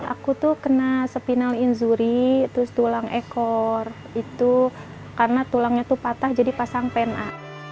aku tuh kena spinal injury terus tulang ekor itu karena tulangnya patah jadi pasang pna